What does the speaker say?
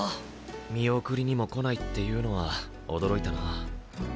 見送りにも来ないっていうのは驚いたな。